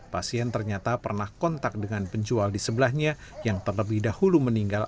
pasien ternyata pernah kontak dengan penjual di sebelahnya yang terlebih dahulu meninggal